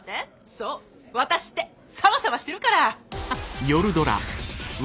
そうワタシってサバサバしてるから！